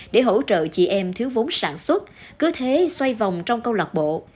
để hỗ trợ chị em thiếu vốn sản xuất cứ thế xoay vòng trong câu lạc bộ